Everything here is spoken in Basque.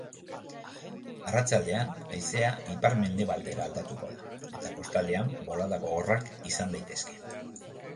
Arratsaldean haizea ipar-mendebaldera aldatuko da, eta kostaldean bolada gogorrak izan daitezke.